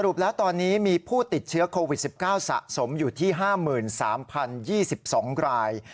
แล้วตอนนี้มีผู้ติดเชื้อโควิด๑๙สะสมอยู่ที่๕๓๐๒๒ราย